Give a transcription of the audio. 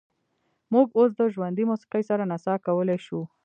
موږ اوس د ژوندۍ موسیقۍ سره نڅا کولی شو